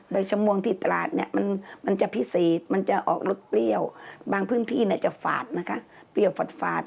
แต่จะฝาดนะคะเปรี้ยวฝาดฝาด